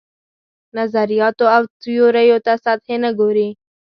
نظریاتو او تیوریو ته سطحي نه ګوري.